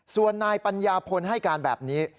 ส่วนนายปัญญาพลให้การแบบนี้